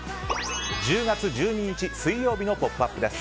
１０月１２日、水曜日の「ポップＵＰ！」です。